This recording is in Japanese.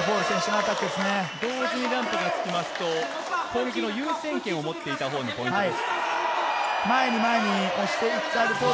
同時にランプがつきますと、攻撃の優先権を持っていたほうにポイントが入ります。